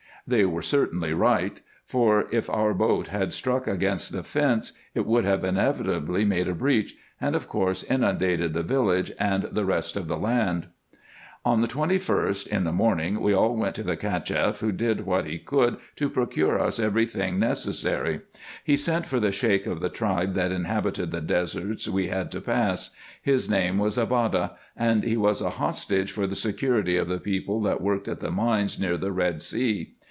They were certainly right ; for if our boat had struck against the fence, it would have inevitably made a breach, and, of course, inundated the village and the rest of the land. On the 21st, in the morning, we all went to the Cacheff, who did what he coidd to procure us every thing necessary. He sent for the Sheik of the tribe that inhabited the deserts we had to pass. His name was Abada ; and he was a hostage for the security of the people that worked at the mines near the Red Sea.